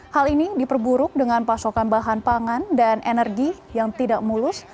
hal ini diperburuk dengan pasokan bahan pangan dan energi yang tidak mulus